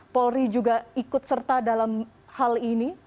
polri juga ikut serta dalam hal ini